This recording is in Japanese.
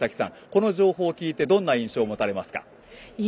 この情報を聞いてどんな印象をもたれますか？